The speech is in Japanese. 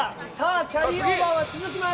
キャリーオーバーは続きます。